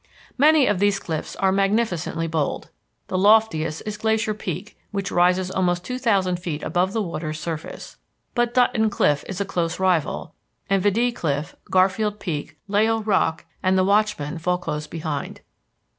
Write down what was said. Many of these cliffs are magnificently bold. The loftiest is Glacier Peak, which rises almost two thousand feet above the water's surface. But Dutton Cliff is a close rival, and Vidæ Cliff, Garfield Peak, Llao Rock, and the Watchman fall close behind.